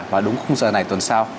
và đúng không giờ này tuần sau